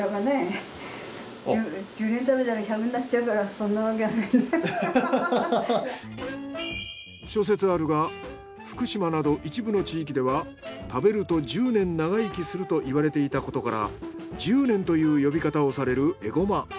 それは諸説あるが福島など一部の地域では食べると１０年長生きすると言われていたことからじゅうねんという呼び方をされるエゴマ。